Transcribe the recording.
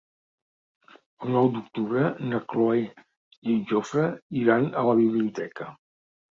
El nou d'octubre na Cloè i en Jofre iran a la biblioteca.